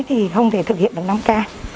thì không thể thực hiện được năm k